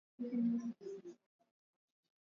kilomita chache tu kutoka mpaka wa Ukraine.